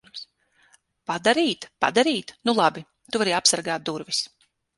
Padarīt? Padarīt? Nu labi. Tu vari apsargāt durvis.